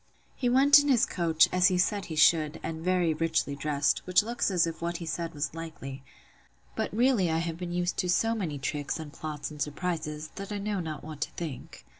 He went in his coach, as he said he should, and very richly dressed, which looks as if what he said was likely: but really I have been used to so many tricks, and plots, and surprises, that I know not what to think.